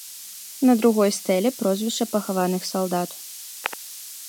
На другой стэле прозвішча пахаваных салдат.